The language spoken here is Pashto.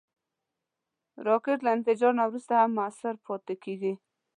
راکټ له انفجار نه وروسته هم مؤثر پاتې کېږي